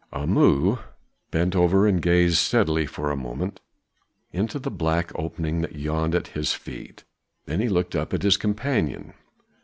Amu bent over and gazed steadily for a moment into the black opening that yawned at his feet, then he looked up at his companion.